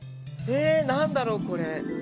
え何だろうこれ。